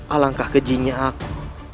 alangkah kejinya aku